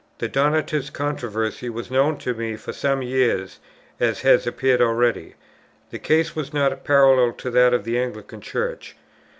The Donatist controversy was known to me for some years, as has appeared already. The case was not parallel to that of the Anglican Church.